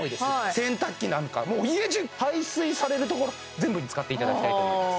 洗濯機なんかもう家じゅう排水されるところ全部に使っていただきたいと思います